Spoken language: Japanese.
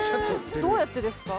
どうやってですか？